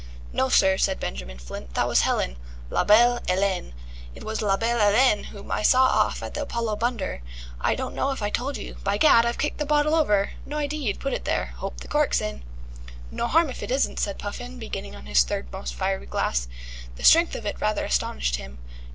"No, sir," said Benjamin Flint, "that was Helen, la belle Hélène. It was la belle Hélène whom I saw off at the Apollo Bunder. I don't know if I told you By Gad, I've kicked the bottle over. No idea you'd put it there. Hope the cork's in." "No harm if it isn't," said Puffin, beginning on his third most fiery glass. The strength of it rather astonished him.